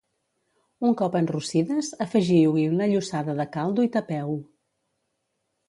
Un cop enrossides, afegiu-hi una llossada de caldo i tapeu-ho.